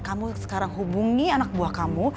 kamu sekarang hubungi anak buah kamu